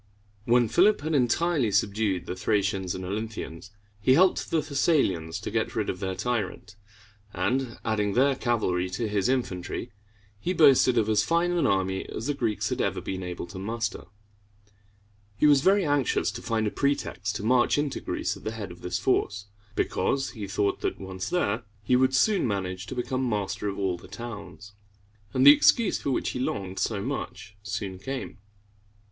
When Philip had entirely subdued the Thracians and Olynthians, he helped the Thessalians to get rid of their tyrant; and, adding their cavalry to his infantry, he boasted of as fine an army as the Greeks had ever been able to muster. He was very anxious to find a pretext to march into Greece at the head of this force, because he thought that, once there, he would soon manage to become master of all the towns. And the excuse for which he longed so much soon came.